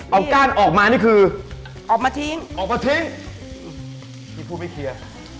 เอาก้านออกมานี่คือออกมาทิ้งพี่พูดไม่เคลียร์